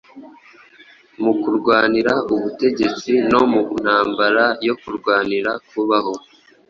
mu kurwanira ubutegetsi no mu ntambara yo kurwanira kubaho